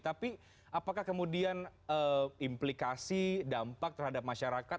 tapi apakah kemudian implikasi dampak terhadap masyarakat